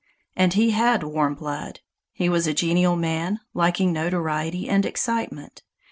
And he had warm blood. He was a genial man, liking notoriety and excitement.